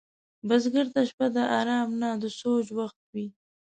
بزګر ته شپه د آرام نه، د سوچ وخت وي